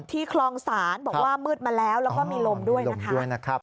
คลองศาลบอกว่ามืดมาแล้วแล้วก็มีลมด้วยนะคะ